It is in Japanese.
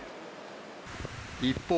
一方、